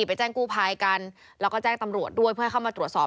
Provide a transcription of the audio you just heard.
ไปแจ้งกู้ภัยกันแล้วก็แจ้งตำรวจด้วยเพื่อให้เข้ามาตรวจสอบ